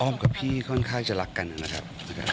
กับพี่ค่อนข้างจะรักกันนะครับ